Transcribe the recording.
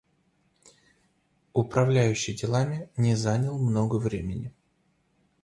Управляющий делами не занял много времени.